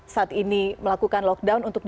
saat ini melakukan lockdown untuk